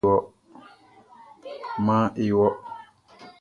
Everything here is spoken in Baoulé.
Maan e wɔ.